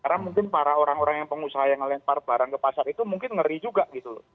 karena mungkin para orang orang yang pengusaha yang ngelempar barang ke pasar itu mungkin ngeri juga gitu